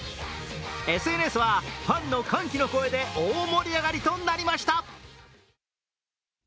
ＳＮＳはファンの歓喜の声で大盛り上がりとなりました。